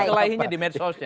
kelahinya di medsosnya